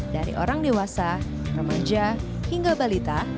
dari orang dewasa remaja hingga balita